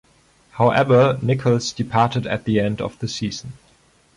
However, Nicholls departed at the end of the season.